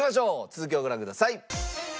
続きをご覧ください。